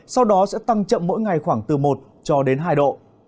sau đó sẽ tăng chậm mỗi ngày khoảng từ một hai độ